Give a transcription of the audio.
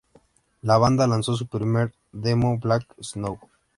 La banda lanzó su primer demo, "Black Snow".